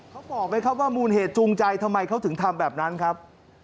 เขาบอกไหมครับว่ามูลเหตุจูงใจทำไมเขาถึงทำแบบนั้นครับ